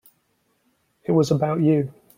It was about you.